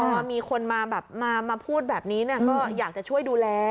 พอมีคนมาแบบมาพูดแบบนี้ก็อยากจะช่วยดูแล